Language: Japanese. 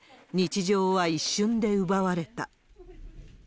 日常は一瞬で奪われた。